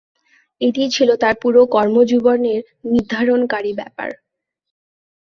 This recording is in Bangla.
এটিই ছিল তার পুরো কর্মজীবনের নির্ধারণকারী ব্যাপার।